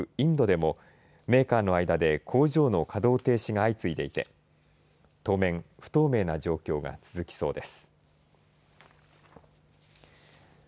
インドでもメーカーの間で工場の稼働停止が相次いでいて当面不透明な状況が続きそうです。